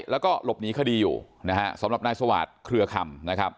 แล้วก็หลบหนีคดีอยู่นะฮะสำหรับนายสวาสตร์เครือคำนะครับ